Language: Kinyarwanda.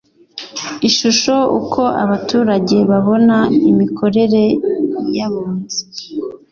ishusho uko abaturage babona imikorere y abunzi